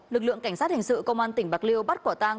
lực lượng cảnh sát hình sự công an tỉnh bạc liêu bắt quả tang